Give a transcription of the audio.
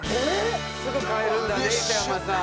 すぐ変えるんだね磯山さん。